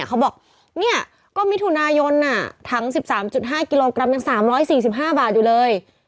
เขาบอกเนี่ยก็มิถุนายนถัง๑๓๕กิโลกรัมยัง๓๔๕บาทอยู่เลย